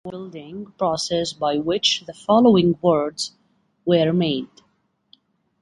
Define the word-building process by which the following words were made.